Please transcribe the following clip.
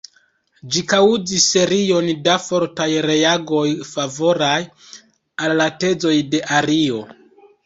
Ĝi kaŭzis serion da fortaj reagoj favoraj al la tezoj de Ario.